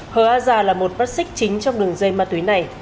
hờ a già là một mắt xích chính trong đường dây ma túy này